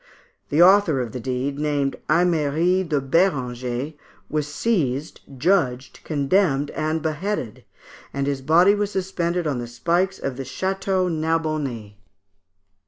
The author of the deed, named Aimeri de Bérenger, was seized, judged, condemned, and beheaded, and his body was suspended on the spikes of the Château Narbonnais.